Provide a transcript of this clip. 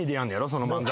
その漫才。